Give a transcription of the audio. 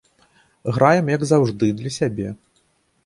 Граем, як заўжды, для сябе.